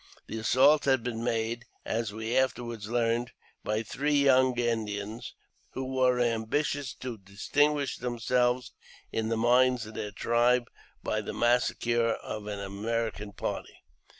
The assault had been made, as we afterwards learned, by three young Indians, who were ambitious to distinguish them selves in the minds of their tribe by the massacre of an American party.